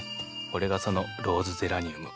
これがそのローズゼラニウム。